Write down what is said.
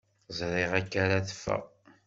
Ẓriɣ akka ara teffeɣ.